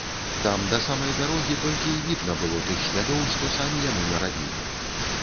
Там да самай дарогі толькі й відна было тых слядоў, што самі яны нарабілі.